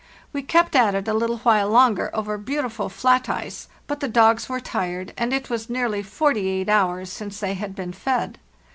We kept at it a little while longer over beautiful flat ice, but the dogs were tired, and it was nearly 48 hours since they had been fed.